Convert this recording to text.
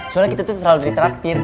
soalnya kita tuh terlalu diterapi